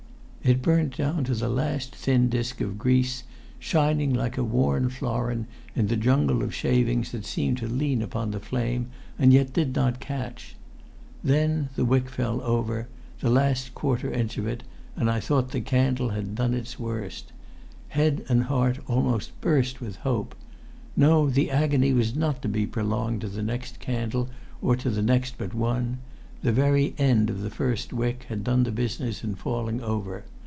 It burnt down to the last thin disk of grease, shining like a worn florin in the jungle of shavings that seemed to lean upon the flame and yet did not catch. Then the wick fell over, the last quarter inch of it, and I thought that candle had done its worst. Head and heart almost burst with hope. No! the agony was not to be prolonged to the next candle, or the next but one. The very end of the first wick had done the business in falling over.